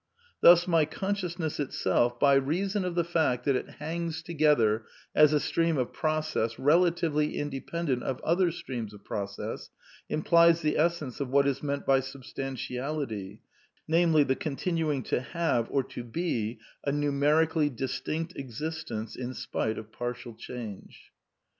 Thus my consciousness itself, by rea son of the fact that it hangs together as a stream of process relatively independent of other streams of process, implies the essence of what is meant by substantiality, namely, the con tinuing to have or to be a numerically distinct existence, in spite of partial change."